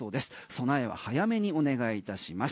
備えは早めにお願いいたします。